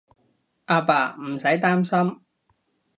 阿爸，唔使擔心